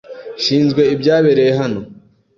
Nshinzwe ibyabereye hano.